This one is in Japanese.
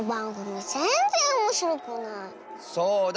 そうだ。